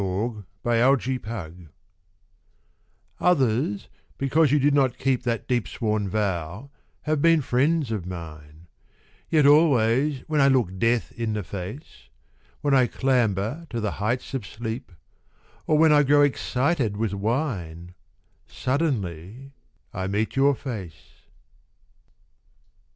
A DEEP SWORN VOW Others because you did not keep That deep sworn vow have been friends of mine; Yet always when I look death in the face, When I clamber to the heights of sleep, Or when I grow excited with wine, Suddenly I meet your face.